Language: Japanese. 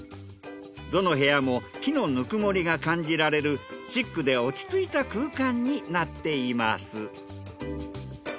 どの部屋も木のぬくもりが感じられるシックで落ち着いた空間になっています。